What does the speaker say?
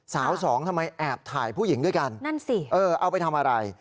สาวสองทำไมแอบถ่ายผู้หญิงด้วยกันเอาไปทำอะไร